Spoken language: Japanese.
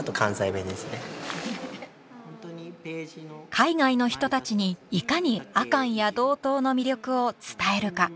海外の人たちにいかに阿寒や道東の魅力を伝えるか。